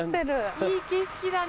いい景色だね。